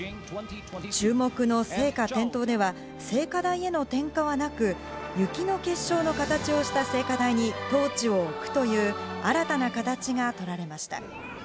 注目の聖火点灯では聖火台への点火はなく、雪の結晶の形をした聖火台にトーチを置くという、新たな形がとられました。